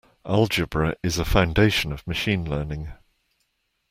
Algebra is a foundation of Machine Learning.